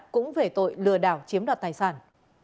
cũng về tội lừa đảo chiếm đoạt tài sản